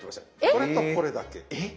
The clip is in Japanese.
これとこれだけ。